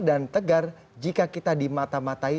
dan tegar jika kita dimata matai